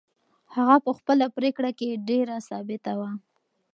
هغه په خپله پرېکړه کې ډېره ثابته وه.